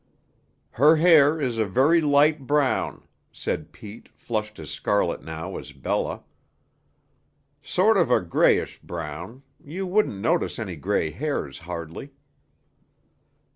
"Her hair is a very light brown," said Pete, flushed as scarlet now as Bella; "sort of a grayish brown; you wouldn't notice any gray hairs, hardly."